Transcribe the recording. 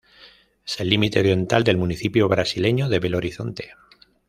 Es el límite oriental del municipio brasileño de Belo Horizonte.